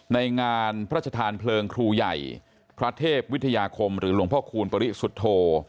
ในงานพระชธานเพลิงครูใหญ่พระเทพวิทยาคมหรือหลวงพ่อคูณปริสุทธโธ